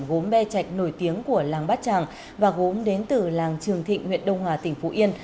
gốm be chạch nổi tiếng của làng bát tràng và gốm đến từ làng trường thịnh huyện đông hòa tỉnh phú yên